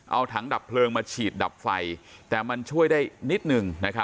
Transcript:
เอาถังดับเพลิงมาฉีดดับไฟแต่มันช่วยได้นิดนึง